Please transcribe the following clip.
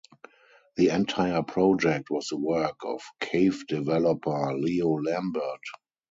The entire project was the work of cave developer Leo Lambert.